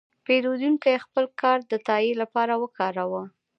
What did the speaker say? پیرودونکی خپل کارت د تادیې لپاره وکاراوه.